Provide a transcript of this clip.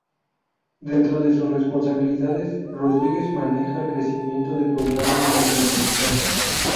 Dentro de sus responsabilidades, Rodríguez maneja el crecimiento de programas latinoamericanos.